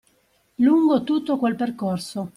Lungo tutto quel percorso.